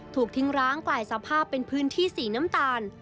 ถูกทิ้งร้างกลายสภาพเป็นพื้นที่สีน้ำตาล